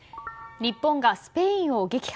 日本がスペインを撃破。